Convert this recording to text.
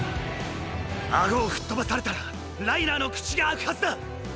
顎を吹っ飛ばされたらライナーの口が開くはずだ。